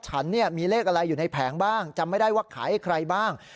ฉันเนี่ยมีเลขอะไรอยู่ในแผงบ้างจำไม่ได้ว่าขายให้ใครบ้าง